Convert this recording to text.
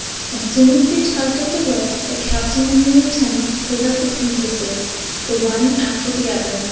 ] As soon as they tugged at the rope the captain and the lieutenant pulled up the Princesses, the one after the other.